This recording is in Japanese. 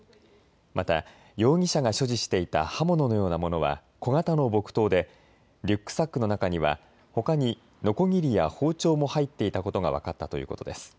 また容疑者が所持していた刃物のようなものは小型の木刀でリュックサックの中にはほかに、のこぎりや包丁も入っていたことが分かったということです。